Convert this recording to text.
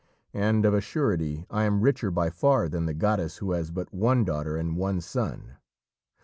And, of a surety, I am richer by far than the goddess who has but one daughter and one son.